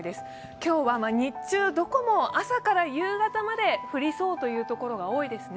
今日は日中どこも朝から夕方まで降りそうという所が多いですね。